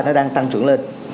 nó đang tăng trưởng lên